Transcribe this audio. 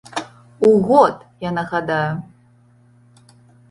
У год, я нагадаю.